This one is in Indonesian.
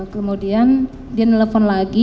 kemudian dia nelfon lagi